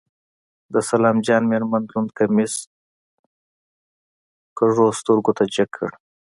د سلام جان مېرمن لوند کميس کږو سترګو ته جګ کړ.